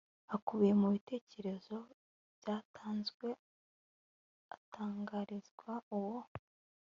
akubiye mu bitekerezo byatanzwe atangarizwa uwo